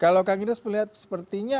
kalau kang ines melihat sepertinya